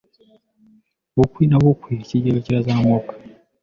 Bukwi na bukwi, ikigega kirazamuka.